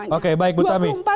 yang diembang oleh kami semuanya